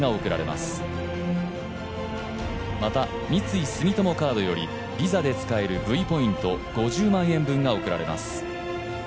また、三井住友カードよりＶｉｓａで使えるＶポイント５０万円分が贈られます。